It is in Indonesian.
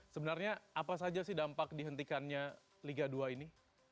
sebenarnya apa saja sih dampak dihentikannya liga dua ini